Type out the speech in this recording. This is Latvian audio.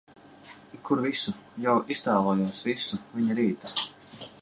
Kur visu. Jau iztēlojos visu viņa rītu.